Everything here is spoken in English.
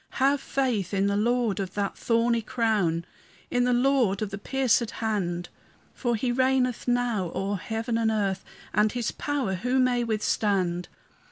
Have faith in the Lord of that thorny crown, In the Lord of the piercèd hand; For he reigneth now o'er earth and heaven, And his power who may withstand?